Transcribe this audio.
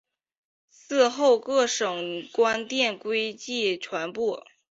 嗣后各省官电归邮传部。